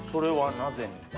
なぜに？